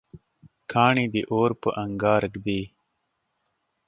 کاڼی د اور په انګار ږدي.